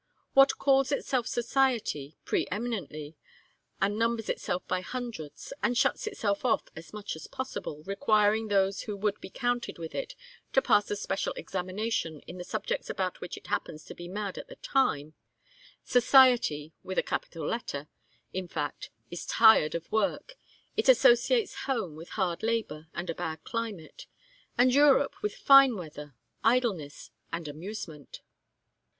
What calls itself society, pre eminently, and numbers itself by hundreds, and shuts itself off as much as possible, requiring those who would be counted with it to pass a special examination in the subjects about which it happens to be mad at the time Society with a capital letter, in fact, is tired of work, it associates home with hard labour and a bad climate, and Europe with fine weather, idleness, and amusement.